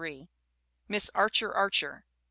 Miss Archer Archer, 1894.